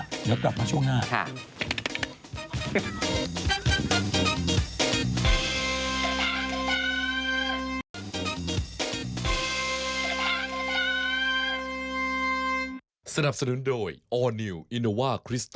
เดี๋ยวกลับมาช่วงหน้าค่ะ